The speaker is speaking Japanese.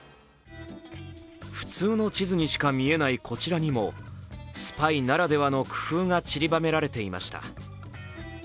普通の地図にしか見えないこちらにもスパイならではの工夫がちりばめられていました。